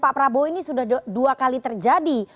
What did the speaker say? pak prabowo ini sudah dua kali terjadi